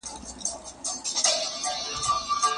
په لویانو کې هم زیان راپورونه شته.